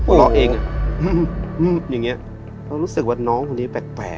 เราเองอย่างนี้เรารู้สึกว่าน้องคนนี้แปลก